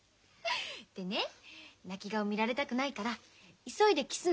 でね泣き顔見られたくないから急いでキスの。